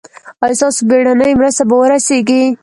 ایا ستاسو بیړنۍ مرسته به ورسیږي؟